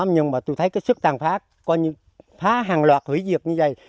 nhưng mà tôi thấy cái sức tàn phá coi như phá hàng loạt hủy diệt như vậy